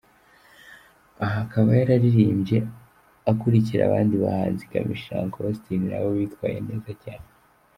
Aha akaba yararirimbye akurikira abandi bahanzi Kamichi na Uncle Austin nabo bitwaye neza cyane.